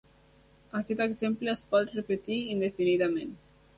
Aquest exemple es pot repetir indefinidament.